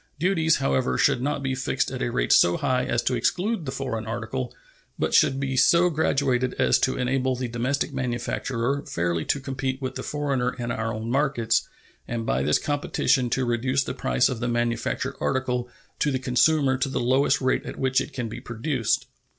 Duties, however, should not be fixed at a rate so high as to exclude the foreign article, but should be so graduated as to enable the domestic manufacturer fairly to compete with the foreigner in our own markets, and by this competition to reduce the price of the manufactured article to the consumer to the lowest rate at which it can be produced.